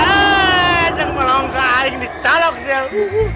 aduh jangan melonggok air di calok siang